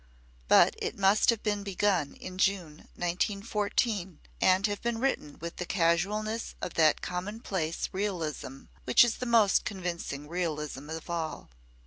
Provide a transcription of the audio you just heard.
But it must have been begun in June, 1914, and have been written with the casualness of that commonplace realism which is the most convincing realism of all.